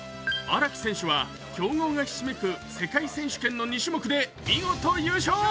荒木選手は強豪がひしめく世界選手権の２種目で見事、優勝。